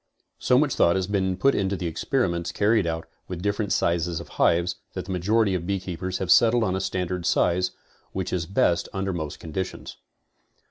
So much thought has been put into the experi ments carried out with different sizes of hives, that the majority of beekeepers have settled on a standard size, which is best un der most conditions.